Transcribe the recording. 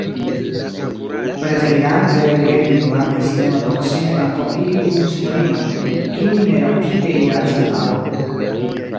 Preterirante, Gering rimarkis ne malproksime antaŭ ili du sinjorinojn, kiuj nerapide iradis antaŭen.